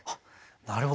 なるほど。